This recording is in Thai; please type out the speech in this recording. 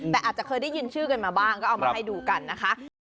แต่อาจจะเคยได้ยินชื่อกันมาบ้างก็เอามาให้ดูกันนะคะ